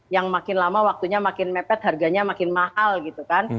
yang makin lama waktunya makin mepet harganya makin mahal gitu kan